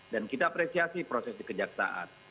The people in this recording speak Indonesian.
dan kita apresiasi proses dikejaksaan